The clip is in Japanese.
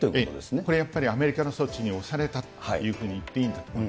これやっぱり、アメリカの措置に押されたというふうに言っていいんだと思います。